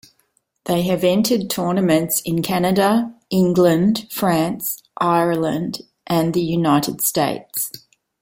They have entered tournaments in Canada, England, France, Ireland and the United States.